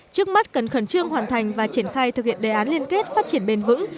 trước mắt cần khẩn trương hoàn thành và triển khai thực hiện đề án liên kết phát triển bền vững